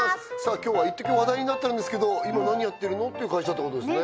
今日はいっとき話題になったんですけど今何やってるの？っていう会社ってことですね